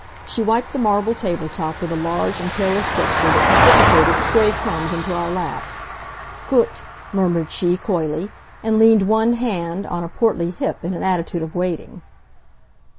She wiped the marble table top with a large and careless gesture that precipitated stray crumbs into our laps. "Gut!" murmured she, coyly, and leaned one hand on a portly hip in an attitude of waiting.